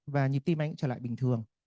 và nhịp tim anh ấy trở lại bình thường